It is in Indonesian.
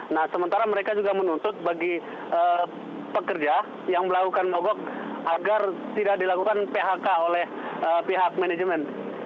nah sementara mereka juga menuntut bagi pekerja yang melakukan mogok agar tidak dilakukan phk oleh pihak manajemen